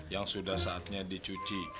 yang sudah saatnya dicuci